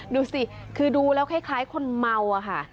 ดูสิคือดูแล้วคล้ายคนเมาอะค่ะ